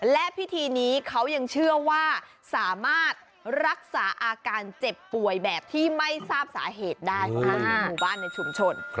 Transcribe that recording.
และพิธีนี้เขายังเชื่อว่าสามารถรักษาอาการเจ็บป่วยแบบที่ไม่ทราบสาเหตุได้ของหมู่บ้านในชุมชน